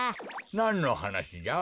なんのはなしじゃ？